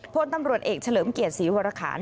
พลตำรวจเอกเฉลิมเกียรติศรีวรคาร